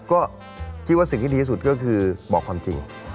ก็คิดว่าสิ่งที่ดีที่สุดก็คือบอกความจริง